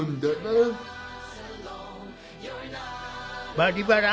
「バリバラ」